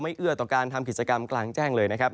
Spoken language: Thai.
เอื้อต่อการทำกิจกรรมกลางแจ้งเลยนะครับ